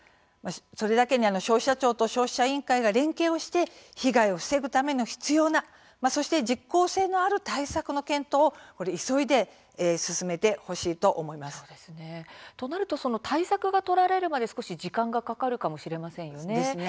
それだけに消費者庁と消費者委員会が連携をして被害を防ぐための必要がそして実効性のある対策の検討も対策が取られるまで少し時間がかかるかもしれませんよね。